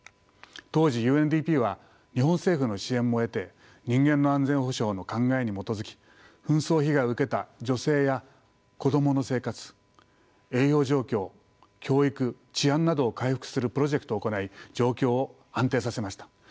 当時ＵＮＤＰは日本政府の支援も得て人間の安全保障の考えに基づき紛争被害を受けた女性や子供の生活栄養状況教育治安などを回復するプロジェクトを行い状況を安定させました。